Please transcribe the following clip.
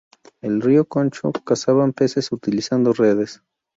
En el río Concho cazaban peces utilizando redes.